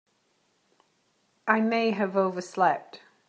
I may have overslept.